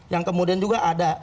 yang kemudian juga ada